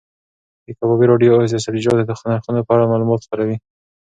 د کبابي راډیو اوس د سبزیجاتو د نرخونو په اړه معلومات خپروي.